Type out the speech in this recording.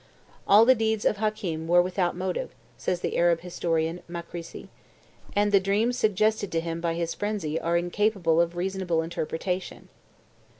"All the deeds of Hakem were without motive," says the Arab historian Makrisi, "and the dreams suggested to him by his frenzy are incapable of reasonable interpretation."